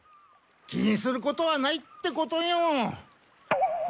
気にすることはないってことよ！